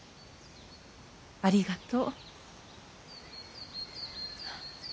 ありがとう。